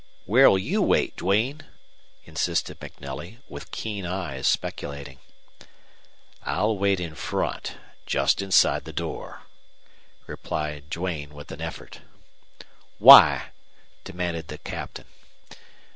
"Where'll you wait, Duane?" insisted MacNelly, with keen eyes speculating. "I'll wait in front, just inside the door," replied Duane, with an effort. "Why?" demanded the Captain.